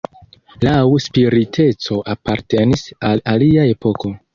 Laŭ spiriteco apartenis al alia epoko.